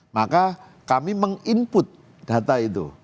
maka kami meng input data itu